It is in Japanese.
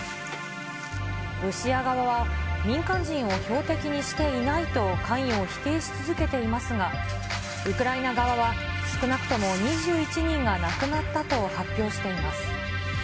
ロシア側は、民間人を標的にしていないと関与を否定し続けていますが、ウクライナ側は、少なくとも２１人が亡くなったと発表しています。